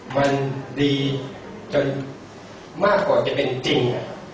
มันดีจนมากกว่าจะเป็นจริง